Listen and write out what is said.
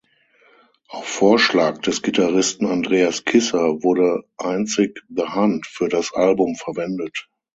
Auf Vorschlag des Gitarristen Andreas Kisser wurde einzig "The Hunt" für das Album verwendet.